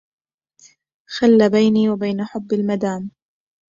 خل بيني وبين حب المدام